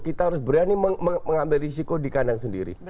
kita harus berani mengambil risiko di kandang sendiri